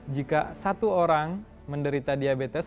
jika satu orang menderita diabetes